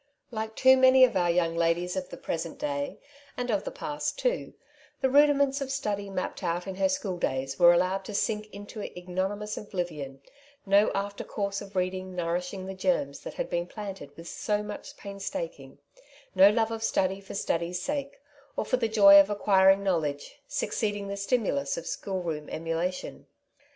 Like too many of our young ladies of the present day — and of the past, too — ^the rudiments of study mapped out in her school days were allowed to sink into ignominious oblivion, no after course of reading nourishing the germs that had been planted with so much painstaking — no love of study for study's sake, or for the joy of acquiring knowledge, succeeding the stimulus of schoolroom emulation.